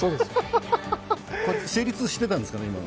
成立してたんですかね、今の。